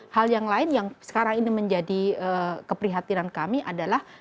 hal yang lain yang sekarang ini menjadi keprihatinan kami adalah